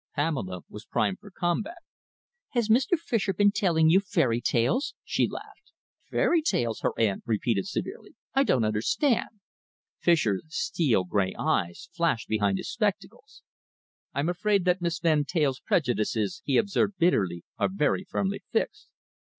Pamela was primed for combat. "Has Mr. Fischer been telling you fairy tales?" she laughed. "Fairy tales?" her aunt repeated severely. "I don't understand." Fischer's steel grey eyes flashed behind his spectacles. "I'm afraid that Miss Van Teyl's prejudices," he observed bitterly, "are very firmly fixed."